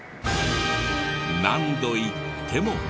何度行っても。